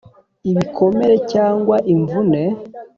ibikomere cyangwa imvune."